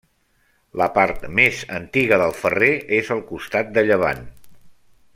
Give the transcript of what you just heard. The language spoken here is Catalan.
La part més antiga del Ferrer és al costat de llevant.